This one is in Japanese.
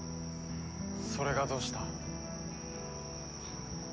それがどうした。